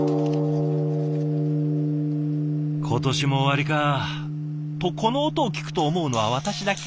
今年も終わりかとこの音を聞くと思うのは私だけ？